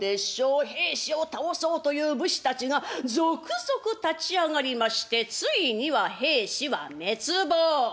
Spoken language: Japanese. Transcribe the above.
平氏を倒そうという武士たちが続々立ち上がりましてついには平氏は滅亡。